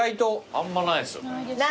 あんまないですよね。